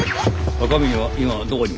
赤峰は今どこに？